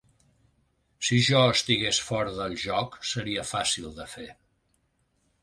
Si jo estigués fora del joc, seria fàcil de fer.